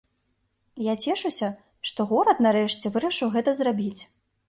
Я цешуся, што горад нарэшце вырашыў гэта зрабіць.